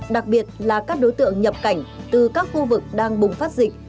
đặc biệt là các đối tượng nhập cảnh từ các khu vực đang bùng phát dịch